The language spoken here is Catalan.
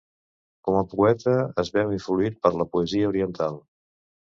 Com a poeta es veu influït per la poesia oriental.